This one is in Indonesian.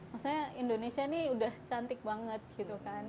maksudnya indonesia ini udah cantik banget gitu kan